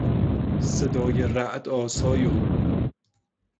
صدای رعد آسای او